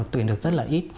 tuyển được rất là ít